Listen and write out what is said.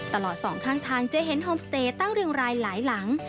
ตลอดสองข้างทางจะเห็นโฮมสเตย์ตั้งเรียงรายหลายหลัง